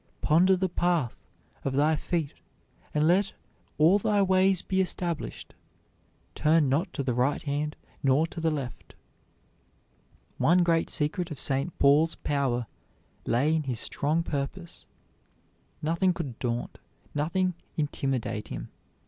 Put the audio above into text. Ponder the path of thy feet and let all thy ways be established. Turn not to the right hand nor to the left." One great secret of St. Paul's power lay in his strong purpose. Nothing could daunt, nothing intimidate him.